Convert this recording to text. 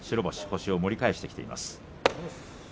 星を盛り返してきています。